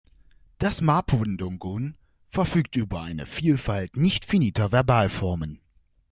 Das Mapudungun verfügt über eine Vielfalt nicht-finiter Verbalformen.